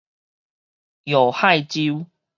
搖幌州